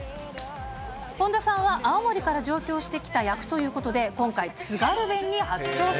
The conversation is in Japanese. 本田さんは青森から上京してきた役ということで、今回、津軽弁に初挑戦。